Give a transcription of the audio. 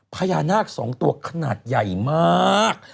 พญานาค๒ตัวขนาดใหญ่มาก